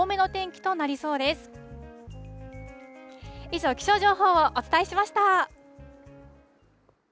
以上、気象情報をお伝えしました。